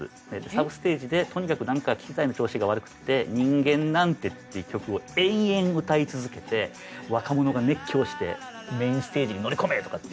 サブステージでとにかく何か機材の調子が悪くって「人間なんて」っていう曲を延々歌い続けて若者が熱狂して「メインステージに乗り込め！」とかって。